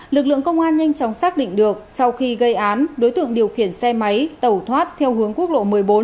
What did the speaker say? lực lượng công an nhanh chóng xác định được sau khi gây án đối tượng điều khiển xe máy tẩu thoát theo hướng quốc lộ một mươi bốn